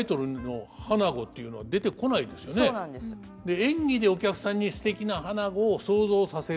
演技でお客さんにすてきな花子を想像させる。